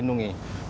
dan juga terlindungi